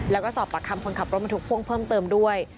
แล้วก็สอบปากคำคนขับรถบรรทุกพ่วงเพิ่มเติมด้วย